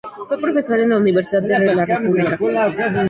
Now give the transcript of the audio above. Fue profesor en la Universidad de la República.